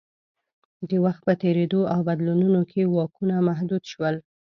د وخت په تېرېدو او بدلونونو کې واکونه محدود شول